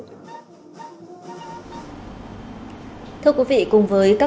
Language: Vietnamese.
thưa quý vị cùng với các chiến sĩ công an nhân dân các chiến sĩ công an nhân dân đến gần hơn với nhân dân